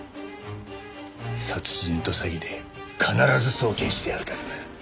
殺人と詐欺で必ず送検してやるからな。